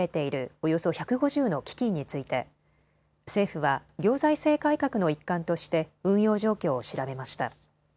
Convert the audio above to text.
およそ１５０の基金について政府は行財政改革の一環として運用状況を調べました。